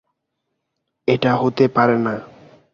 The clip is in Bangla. এটা হতে পারেনা।